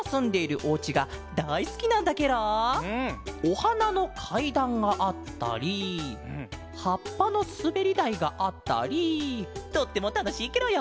おはなのかいだんがあったりはっぱのすべりだいがあったりとってもたのしいケロよ！